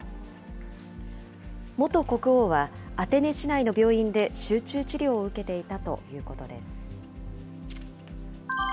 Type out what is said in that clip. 元国王は、アテネ市内の病院で集中治療を受けていたということです。